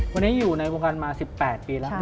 วันนี้อยู่ในวงการมา๑๘ปีแล้ว